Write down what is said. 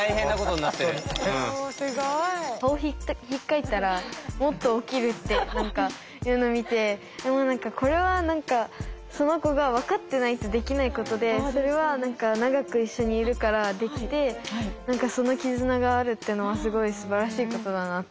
もうすごい。顔ひっかいたらもっと起きるっていうのを見てこれは何かその子が分かってないとできないことでそれは長く一緒にいるからできて何かその絆があるっていうのはすごいすばらしいことだなって。